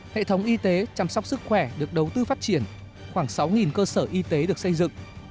hệ thống y tế chăm sóc sức khỏe được đầu tư phát triển khoảng sáu cơ sở y tế được xây dựng